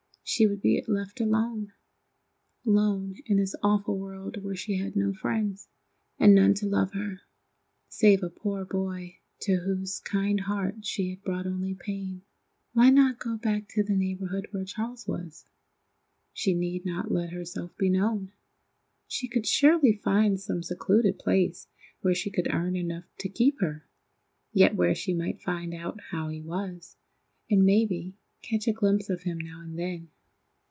She would be left alone—alone in this awful world where she had no friends, and none to love her, save a poor boy to whose kind heart she had brought only pain. Why not go back to the neighborhood where Charles was? She need not let herself be known. She could surely find some secluded place where she could earn enough to keep her, yet where she might find out how he was, and maybe catch a glimpse of him now and then!